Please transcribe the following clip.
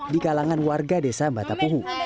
di kalangan warga desa batapuhu